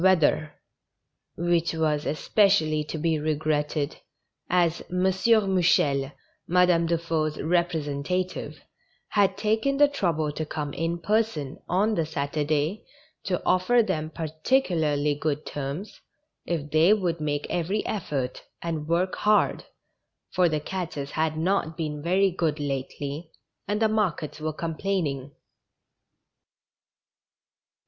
207 weather, which was especially to be regretted, as M. Mou chel, Madame Dufeu's representative, had taken the trouble to come in person, on the Saturday, to offer them particularly good terms if they would make every effort, and work hard, for the catches had not been very good lately, and the markets were complaining.